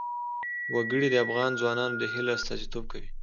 وګړي د افغان ځوانانو د هیلو استازیتوب کوي.